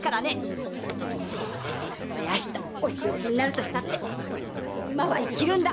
たとえ明日お仕置きになろうと今は生きるんだ。